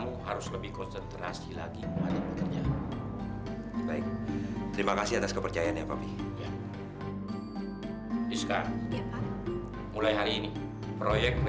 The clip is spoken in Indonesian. waalaikumsalam om mau pulang